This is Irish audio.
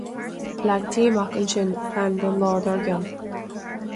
Leagtaí amach ansin plean don lá dár gcionn.